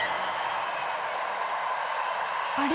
あれ？